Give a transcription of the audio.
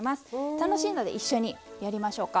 楽しいので一緒にやりましょうか。